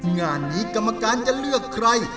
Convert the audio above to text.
งานนี้กรรมการจะเลือกใคร